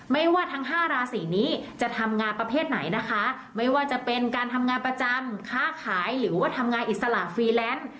ไม่ว่าทั้งห้าราศีนี้จะทำงานประเภทไหนนะคะไม่ว่าจะเป็นการทำงานประจำค้าขายหรือว่าทำงานอิสระฟรีแลนซ์